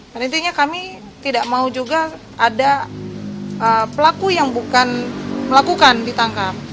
pada intinya kami tidak mau juga ada pelaku yang bukan melakukan ditangkap